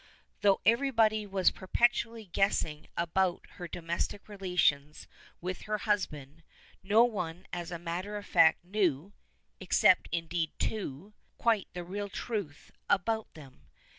Though everybody was perpetually guessing about her domestic relations with her husband, no one as a matter of fact knew (except, indeed, two) quite the real truth about them.